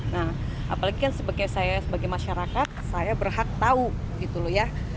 nah apalagi kan sebagai saya sebagai masyarakat saya berhak tahu gitu loh ya